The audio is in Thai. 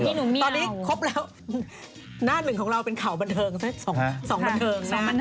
ของพี่หนูเมียวตอนนี้ครบแล้วหน้าหนึ่งของเราเป็นข่าวบันเทิงสองบันเทิงนะ